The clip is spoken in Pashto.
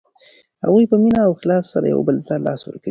هغوی په مینه او اخلاص سره یو بل ته لاس ورکوي.